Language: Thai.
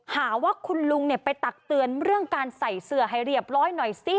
หาว่าคุณลุงไปตักเตือนเรื่องการใส่เสื้อให้เรียบร้อยหน่อยสิ